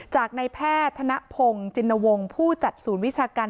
จากในแพทย์ธนพงศ์จินวงศ์ผู้จัดศูนย์วิชาการ